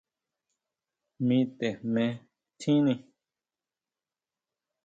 Mi te jme tjini.